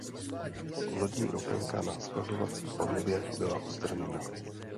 Lodní okénka na skladovací palubě byla odstraněna.